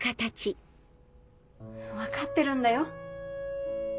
分かってるんだよ。